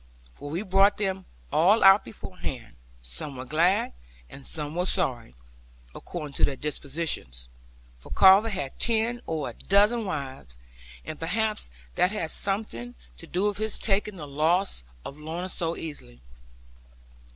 For we brought them all out beforehand; some were glad, and some were sorry; according to their dispositions. For Carver had ten or a dozen wives; and perhaps that had something to do with his taking the loss of Lorna so easily.